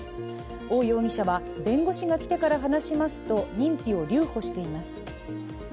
王容疑者は弁護士が来てから話しますと認否を留保しています。